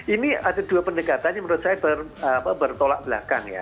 ini ada dua pendekatan yang menurut saya bertolak belakang ya